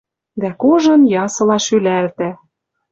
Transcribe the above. Дӓ кужын ясыла шӱлӓлтӓ.